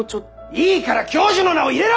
いいから教授の名を入れろ！